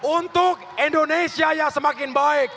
untuk indonesia yang semakin baik